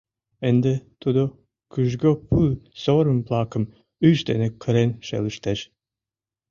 Ынде тудо кӱжгӧ пу сорым-влакым ӱш дене кырен шелыштеш.